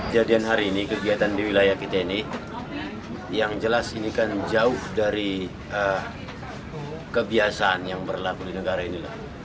jadian hari ini kegiatan di wilayah kita ini yang jelas ini kan jauh dari kebiasaan yang berlaku di negara ini